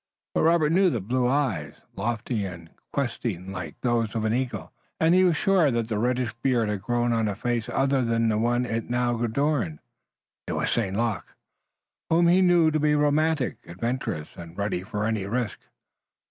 But Robert knew the blue eyes, lofty and questing like those of the eagle, and he was sure that the reddish beard had grown on a face other than the one it now adorned. It was St. Luc, whom he knew to be romantic, adventurous, and ready for any risk.